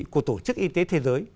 của tổ chức y tế thế giới